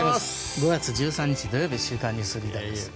５月１３日、土曜日「週刊ニュースリーダー」です。